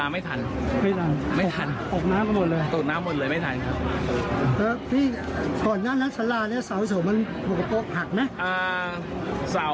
เมื่อเมื่อเมื่อ